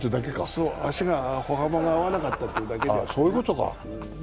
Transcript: そう、足が歩幅が合わなかっただけ。